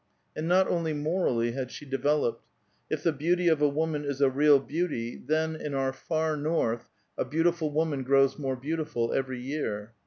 And not only morally had she developed. If the beanty of a woman is a real beauty, then, in our far North, a beautiful woman grows more beautiful every year.